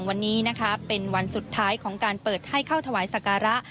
วันนี้นะคะเป็นวันสุดท้ายของการเปิดให้เข้าถวายสการะ